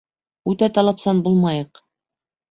Үтә талапсан булмайыҡ.